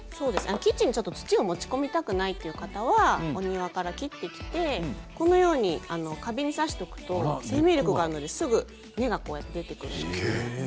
キッチンに土を持ち込みたくないという方はお庭から切ってきて花瓶に挿していくと生命力があるのですぐに根っこが出てきます。